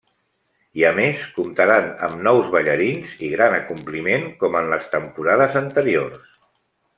I a més comptaran amb nous ballarins i gran acompliment com en les temporades anteriors.